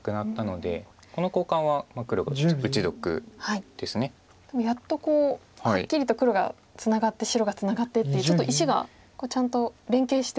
でもやっとこうはっきりと黒がツナがって白がツナがってっていうちょっと石がちゃんと連係してきましたね。